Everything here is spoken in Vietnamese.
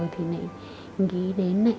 thì lại nghĩ đến